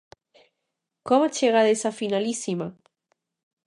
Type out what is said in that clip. Como chegades á finalísima?